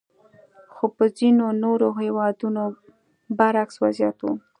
خو په ځینو نورو هېوادونو برعکس وضعیت وو.